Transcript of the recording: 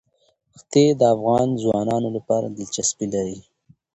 ښتې د افغان ځوانانو لپاره دلچسپي لري.